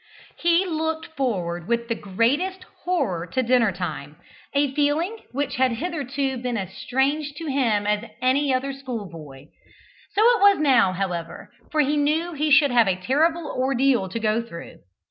He looked forward with the greatest horror to dinner time a feeling which had hitherto been as strange to him as to any other schoolboy. So it was now, however, for he knew he should have a terrible ordeal to go through.